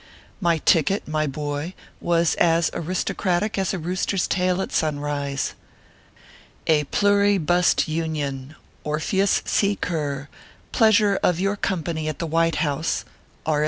My ticket, my boy, was as aristocractic as a rooster s tail at sunrise : (CUTLETS.) E pluri bust Union. (OYSTERS.) ORPHEUS C. KERR, Pleasure of your Company at the White House, (R.